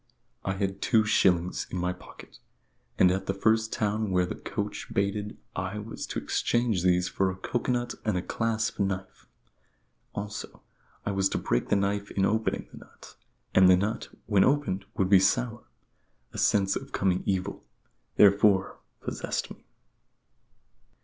I had two shillings in my pocket; and at the first town where the coach baited I was to exchange these for a coco nut and a clasp knife. Also, I was to break the knife in opening the nut, and the nut, when opened, would be sour. A sense of coming evil, therefore, possessed me.